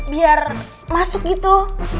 biar masuk gitu